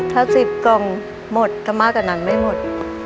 ถ้าสิบกล่องหมดขามากอันนั้นไม่หมด